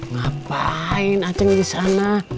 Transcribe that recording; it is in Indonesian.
ngapain aceng di sana